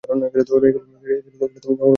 এগুলো তুমি সংরক্ষণ করবে।